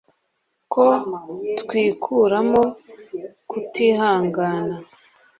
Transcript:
ko twikuramo kutihangana